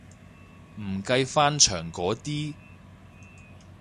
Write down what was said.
唔計翻牆嗰啲